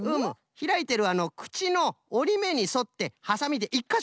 ひらいてるくちのおりめにそってはさみで１かしょきってごらん。